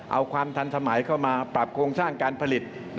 เอาความทันสมัยเข้ามาปรับโครงสร้างการผลิต